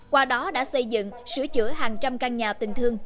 qua đó đã xây dựng sửa chữa hàng trăm căn nhà tình thương